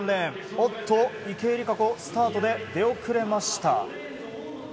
おっと、池江璃花子スタートで出遅れました。